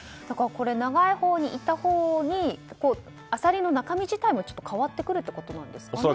長いほうにいたほうにアサリの中身自体も変わってくるということなんですかね。